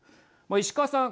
石川さん。